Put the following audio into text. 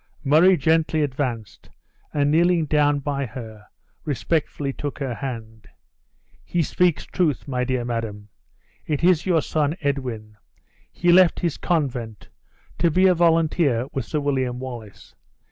Murray gently advanced, and kneeling down by her, respectfully took her hand. "He speaks truth, my dear madam. It is your son Edwin. He left his convent, to be a volunteer with Sir William Wallace.